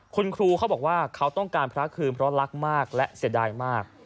คุณครูเขาบอกว่าเขาต้องการพระคืนเพราะรักมากและเสียดายมาก